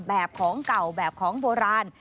แบบของเก่าแบบของโบราณ